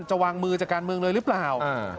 จะวางมือจากการเมืองเลยหรือเปล่า